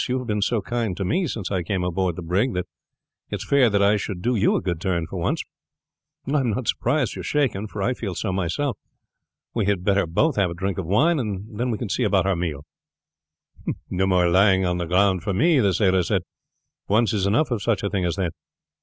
You have been so kind to me since I came aboard the brig that it is fair that I should do you a good turn for once. I am not surprised you are shaken, for I feel so myself. We had better both have a drink of wine, and then we can see about our meal." "No more lying down on the ground for me," the sailor said. "Once is enough of such a thing as that.